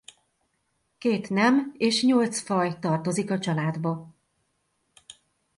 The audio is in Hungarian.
Két nem és nyolc faj tartozik a családba.